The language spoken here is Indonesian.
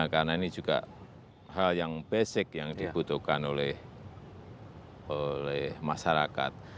karena ini juga hal yang basic yang dibutuhkan oleh masyarakat